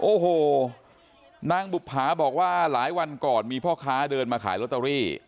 โอ้โหนางบุภาบอกว่าหลายวันก่อนมีพ่อค้าเดินมาขายลอตเตอรี่